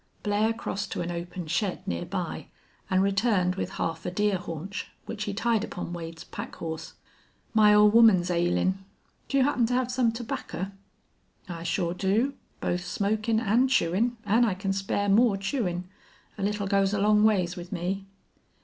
Blair crossed to an open shed near by and returned with half a deer haunch, which he tied upon Wade's pack horse. "My ole woman's ailin'. Do you happen to hev some terbaccer? "I sure do both smokin' an' chewin', an' I can spare more chewin'. A little goes a long ways with me."